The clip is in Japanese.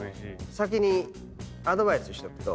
先にアドバイスしとくと。